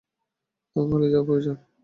তোমার পালিয়ে যাওয়া প্রয়োজন।